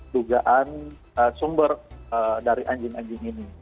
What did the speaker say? dugaan sumber dari anjing anjing ini